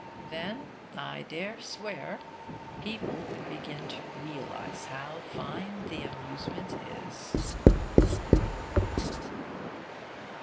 Then, I dare swear, people would begin to realise how fine the amusement is.